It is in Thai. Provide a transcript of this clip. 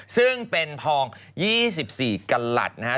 ซึ่งเป็นทอง๒๔กระหลัดนะฮะ